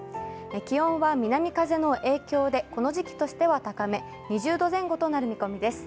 気温は南風の影響でこの時期としては高め２０度前後となる見込みです。